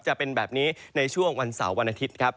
จะเป็นแบบนี้ในช่วงวันเสาร์วันอาทิตย์ครับ